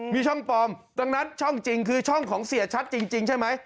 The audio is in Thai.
มีช่องปลอมดังนั้นช่องจริงคือช่องของเสียชัดจริงใช่ไหม